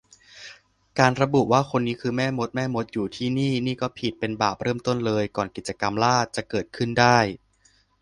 การระบุว่าคนนี้คือแม่มด แม่มดอยู่ที่นี่ นี่ก็ผิด เป็นบาปเริ่มต้นเลย ก่อนกิจกรรมล่าจะเกิดขึ้นได้